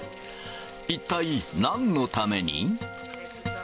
一体なんのために？